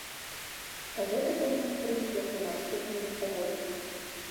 Гэты канец прыйдзе ў наступным годзе.